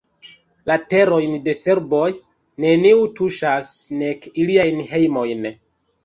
La terojn de serboj neniu tuŝas, nek iliajn hejmojn.